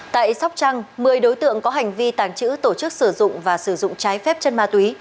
tại sóc trăng một mươi đối tượng có hành vi tàng trữ tổ chức sử dụng và sử dụng trái phép chân ma túy